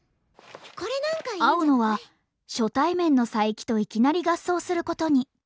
青野は初対面の佐伯といきなり合奏することに。